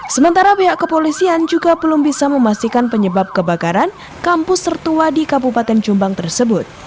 sementara pihak kepolisian juga belum bisa memastikan penyebab kebakaran kampus tertua di kabupaten jombang tersebut